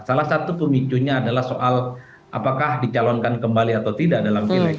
salah satu pemicunya adalah soal apakah dicalonkan kembali atau tidak dalam pileg